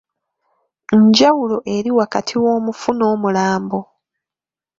Njawulo eri wakati W’omufu n’Omulambo?